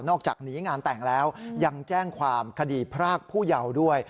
จากหนีงานแต่งแล้วยังแจ้งความคดีพรากผู้เยาว์ด้วย